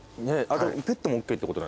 ペットもＯＫってこと。